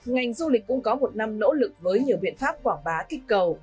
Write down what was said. ngành du lịch cũng có một năm nỗ lực với nhiều biện pháp quảng bá kích cầu